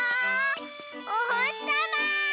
おほしさま！